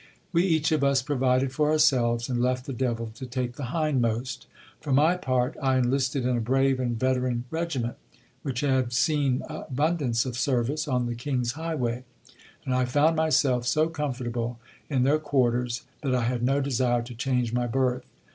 We each of us provided for our selves, and left the devil to take the hindmost. For my part, I enlisted in a brave and veteran regiment, which had seen abundance of service on the king's highway : and I found myself so comfortable in their quarters, that I had no desire to change my birth.